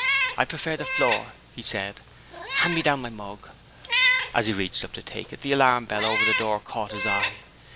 "I prefer the floor," he said; "hand me down my mug." As he reached up to take it, the alarm bell over the door caught his eye.